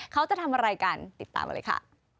เขาจะทำอะไรกันติดตามมาเลยค่ะ